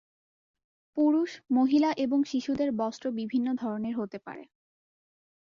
পুরুষ, মহিলা এবং শিশুদের বস্ত্র বিভিন্ন ধরনের হতে পারে।